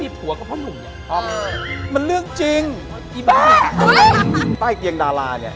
ใต้เกียงดารานี้